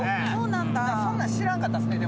そんなん知らんかった。